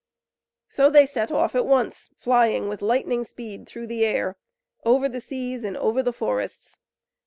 So they set off at once, flying with lightning speed through the air, over the seas and over the forests.